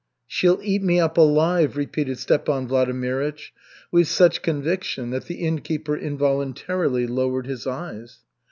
"She'll eat me up alive," repeated Stepan Vladimirych, with such conviction that the innkeeper involuntarily lowered his eyes.